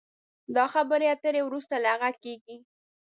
دا خبرې اترې وروسته له هغه کېږي